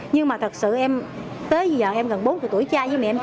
nhưng mà thật sự em tới giờ em gần bốn tuổi trai với mẹ em